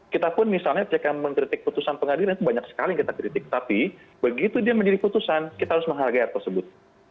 kita pun misalnya ketika mengkritik putusan pengadilan itu banyak sekali yang kita kritik tapi begitu dia menjadi putusan kita harus menghargai hal tersebut